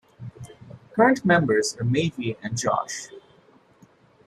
Current members are Mavie and Josh.